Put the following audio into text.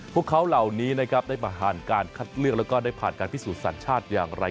พวกเขาเหล่านี้นะครับได้มาผ่านการคัดเลือกแล้วก็ได้ผ่านการพิสูจนสัญชาติอย่างไร